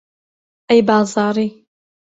ئەی بازاڕی